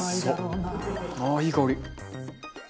ああいい香り！